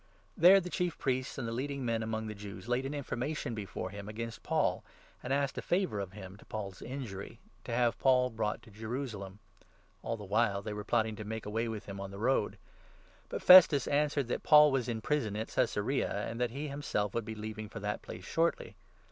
There the Chief Priests and the 2 leading men among the Jews laid an information before him against Paul, and asked a favour of him, to Paul's injury — 3 to have Paul brought to Jerusalem. All the while they were plotting to make away with him on the road. But Festus 4 answered that Paul was in prison at Caesarea, and that he himself would be leaving for that place shortly.